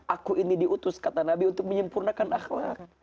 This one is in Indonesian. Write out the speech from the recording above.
aku ini diutus kata nabi untuk menyempurnakan akhlak